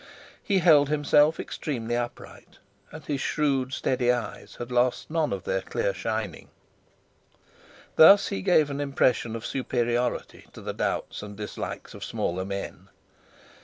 He held himself extremely upright, and his shrewd, steady eyes had lost none of their clear shining. Thus he gave an impression of superiority to the doubts and dislikes of smaller men.